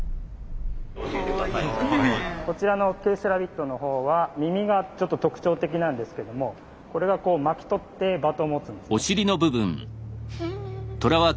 こちらのＫセラビットのほうは耳がちょっと特徴的なんですけどもこれがこう巻き取ってバトンを持つんですね。